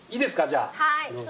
じゃあ。